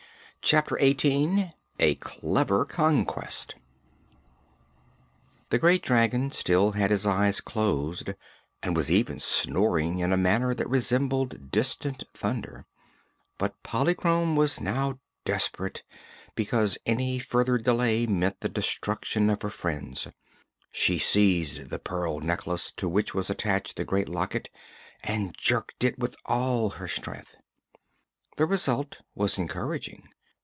Chapter Eighteen A Clever Conquest The great dragon still had his eyes closed and was even snoring in a manner that resembled distant thunder; but Polychrome was now desperate, because any further delay meant the destruction of her friends. She seized the pearl necklace, to which was attached the great locket, and jerked it with all her strength. The result was encouraging.